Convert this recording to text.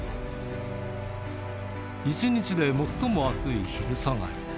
一日で最も暑い昼下がり。